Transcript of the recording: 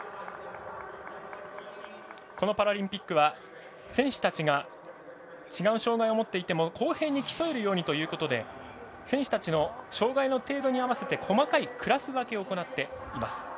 このパラリンピックは選手たちが違う障がいを持っていても公平に競えるようにということで選手たちの障がいの程度に合わせて細かいクラス分けを行っています。